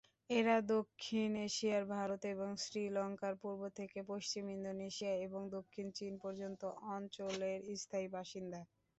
এরা দক্ষিণ এশিয়ার ভারত এবং শ্রীলংকার পূর্ব থেকে পশ্চিমে ইন্দোনেশিয়া এবং দক্ষিণ চীন পর্যন্ত অঞ্চলের স্থায়ী বাসিন্দা।